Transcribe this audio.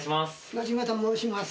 野島と申します。